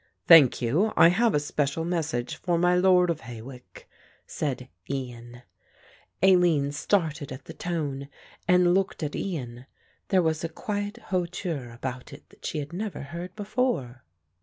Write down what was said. "Thank you, I have a special message for my lord of Hawick," said Ian. Aline started at the tone and looked at Ian: there was a quiet hauteur about it that she had never heard before.